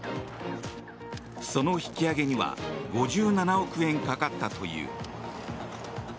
その引き揚げには５７億円かかったという。